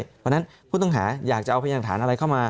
เพราะฉะนั้นผู้ต้องหาอยากจะเอาพยานฐานอะไรเข้ามา